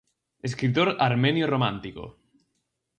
Escritor armenio romántico.